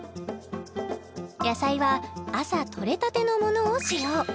野菜は朝採れたてのものを使用